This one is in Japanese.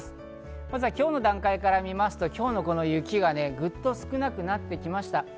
今日の段階から見ますと今日の雪がぐっと少なくなってきました。